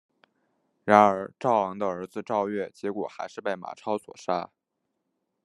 然而赵昂的儿子赵月结果还是被马超所杀。